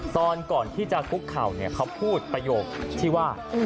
ตอนก่อนที่จะคุกเข่าเขาพูดประโยคที่ว่า